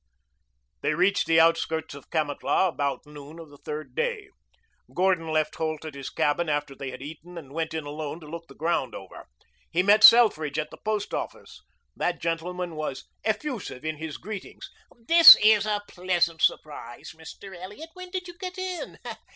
They reached the outskirts of Kamatlah about noon of the third day. Gordon left Holt at his cabin after they had eaten and went in alone to look the ground over. He met Selfridge at the post office. That gentleman was effusive in his greeting. "This is a pleasant surprise, Mr. Elliot. When did you get in?